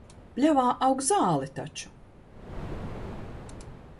Pļavā aug zāle taču.